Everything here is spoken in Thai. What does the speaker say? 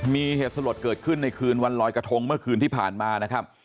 มีเหตุสลดเกิดขึ้นในคืนวันลอยกระทงเมื่อคืนที่ผ่านมานะครับ